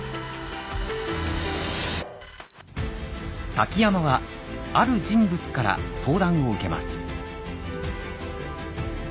瀧山はある人物から相談を受けます。